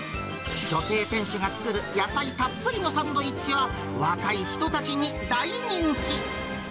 女性店主が作る野菜たっぷりのサンドイッチは、若い人たちに大人気。